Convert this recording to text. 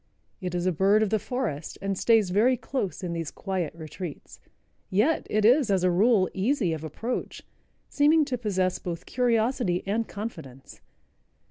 It is a bird of the forest and stays very close in these quiet retreats. Yet it is, as a rule, easy of approach, seeming to possess both curiosity and confidence.